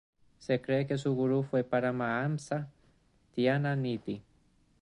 Se cree que su gurú fue Parama-Hamsa Dhiana-Nidhi.